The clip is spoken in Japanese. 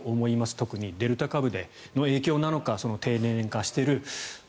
特に、デルタ株の影響なのか低年齢化している。